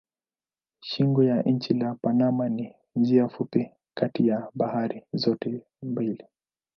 Shingo ya nchi la Panama ni njia fupi kati ya bahari zote mbili.